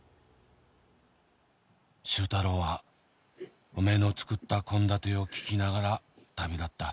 「周太郎はおめえの作った献立を聞きながら旅立った」